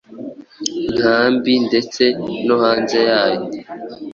nkambi ndetse no hanze yayo.